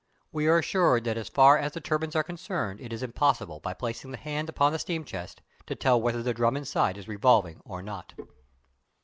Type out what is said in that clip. We are assured that as far as the turbines are concerned it is impossible by placing the hand upon the steam chest to tell whether the drum inside is revolving or not!